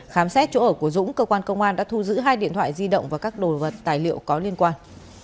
khám xét chỗ ở của dũng cơ quan công an đã thu giữ hai điện thoại di động và các đồ vật tài liệu có liên quan